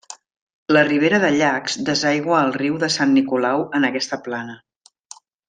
La Ribera de Llacs desaigua al Riu de Sant Nicolau en aquesta plana.